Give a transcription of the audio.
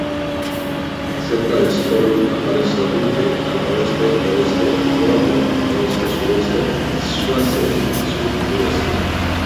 Cerca de Slocum aparecen Runge al oeste-noroeste, Warner al oeste-suroeste, y Swasey al sur-sureste.